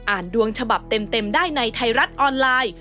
ดวงฉบับเต็มได้ในไทยรัฐออนไลน์